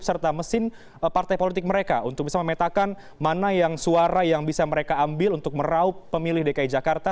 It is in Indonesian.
serta mesin partai politik mereka untuk bisa memetakan mana yang suara yang bisa mereka ambil untuk meraup pemilih dki jakarta